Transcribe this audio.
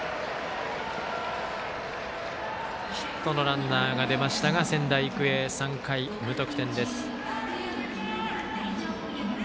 ヒットのランナーが出ましたが仙台育英、３回、無得点です。